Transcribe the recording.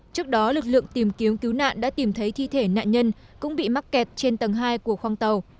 trước đó lực lượng tìm kiếm cứu nạn đã tìm thấy thi thể nạn nhân cũng bị mắc kẹt trên tầng hai của khoang tàu